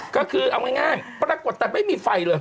ก็คือเอาง่ายปรากฏแต่ไม่มีไฟเลย